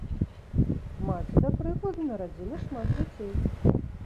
Маці, да прыкладу, нарадзіла шмат дзяцей.